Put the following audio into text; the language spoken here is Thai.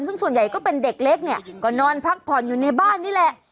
ซึ่งส่วนใหญ่ก็เป็นเด็กเล็กเนี่ยก็นอนพักผ่อนอยู่ในบ้านนี่แหละ